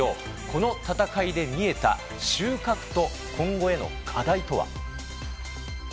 この戦いで見えた収穫と今後への課題とは。